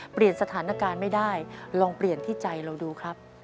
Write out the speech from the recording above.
เปลี่ยนสถานการณ์ไม่ได้ลองเปลี่ยนที่ใจเราดูครับ